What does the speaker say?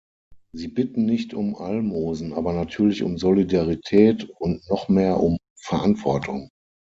Sie bitten nicht um Almosen, aber natürlich um Solidarität, und noch mehr um Verantwortung.